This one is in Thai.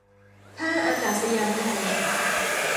ท่าอากาศยานไทย